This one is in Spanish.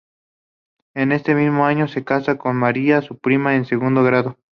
En este mismo año se casa con Maria, su prima en segundo grado.